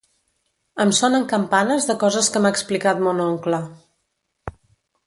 Em sonen campanes de coses que m'ha explicat mon oncle.